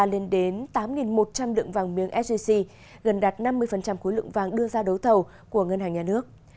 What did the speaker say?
lên đến tám một trăm linh lượng vàng miếng sgc gần đạt năm mươi khối lượng vàng đưa ra đấu thầu của ngân hàng nhà nước